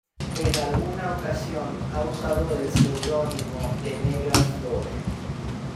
En alguna ocasión ha usado el seudónimo de "Negra Flor".